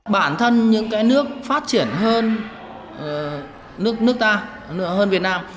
bản thân những cái nước phát triển hơn nước nước ta hơn việt nam